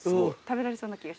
食べられそうな気が。